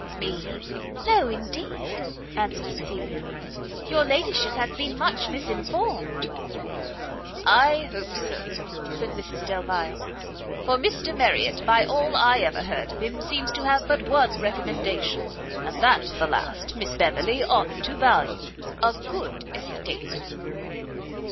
"Me? no, indeed," answered Cecilia, "your ladyship has been much misinformed." "I hope so," said Mrs Delvile, "for Mr Marriot, by all I ever heard of him, seems to have but one recommendation, and that the last Miss Beverley ought to value, a good estate."